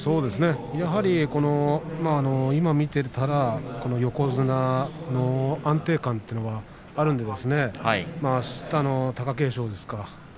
やはり今見ていたらこの横綱の安定感というものがあるのであしたの貴景勝ですか。